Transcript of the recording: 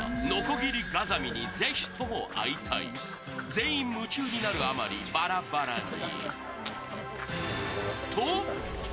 全員夢中になるあまりバラバラに。